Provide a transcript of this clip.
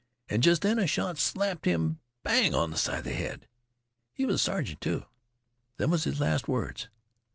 An' jest then a shot slapped him bang on th' side th' head. He was a sergeant, too. Them was his last words.